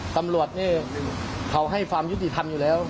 ตำรวจนี่เขาให้ความยุติธรรมอยู่แล้ว